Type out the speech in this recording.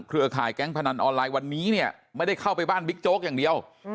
เครือข่ายแก๊งพนันออนไลน์วันนี้เนี่ยไม่ได้เข้าไปบ้านบิ๊กโจ๊กอย่างเดียว